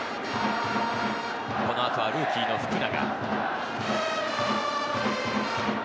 この後はルーキーの福永。